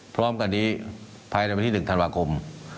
พร้อมตอนนี้ภายในประเทศที่๑ธันวาคม